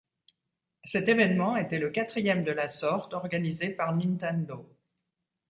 Cet événement était le quatrième de la sorte organisé par Nintendo.